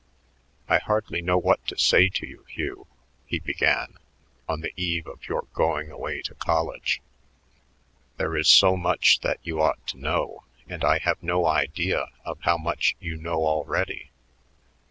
"I hardly know what to say to you, Hugh," he began, "on the eve of your going away to college. There is so much that you ought to know, and I have no idea of how much you know already."